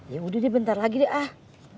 yaudah deh bentar lagi deh ah